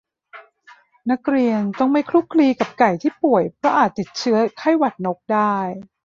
นักเรียนต้องไม่คลุกคลีกับไก่ที่ป่วย เพราะอาจติดเชื้อไข้หวัดนกได้